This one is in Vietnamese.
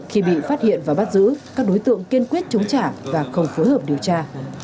khi bị phát hiện và bắt giữ các đối tượng kiên quyết chống trả và không phối hợp điều tra